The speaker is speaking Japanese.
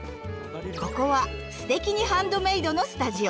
ここは「すてきにハンドメイド」のスタジオ。